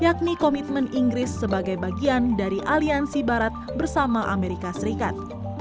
yakni komitmen inggris sebagai bagian dari aliansi barat bersama amerika serikat